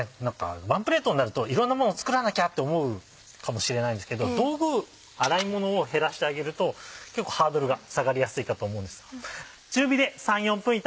ワンプレートになるといろんなもの作らなきゃって思うかもしれないんですけど道具洗いものを減らしてあげると結構ハードルが下がりやすいかと思うんです。